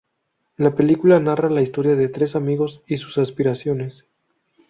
La película narra la historia de tres amigos y sus aspiraciones.